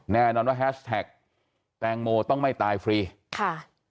แน่นอนว่าแฮชแท็กแตงโมต้องไม่ตายฟรีค่ะ